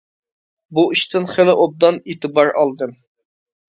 بۇ ئىشتىن خېلى ئوبدان ئېتىبار ئالدىم.